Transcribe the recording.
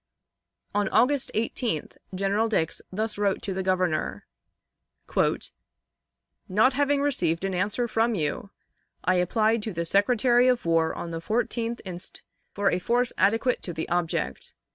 On August 18th General Dix thus wrote to the Governor: "Not having received an answer from you, I applied to the Secretary of War on the 14th inst. for a force adequate to the object.